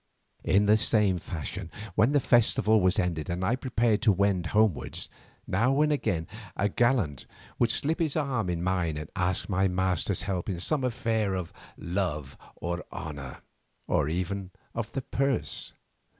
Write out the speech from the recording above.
In the same fashion when the festival was ended and I prepared to wend homewards, now and again a gallant would slip his arm in mine and ask my master's help in some affair of love or honour, or even of the purse.